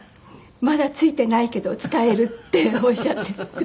「まだ着いてないけど伝える」っておっしゃってくださって。